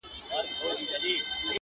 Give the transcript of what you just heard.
ټوله ژوند مي سترګي ډکي له خیالونو-